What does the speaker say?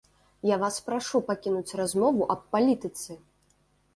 Я вас прашу пакінуць размову аб палітыцы!